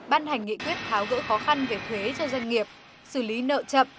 ban hành nghị quyết tháo gỡ khó khăn về thuế cho doanh nghiệp xử lý nợ chậm